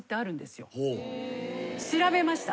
調べました。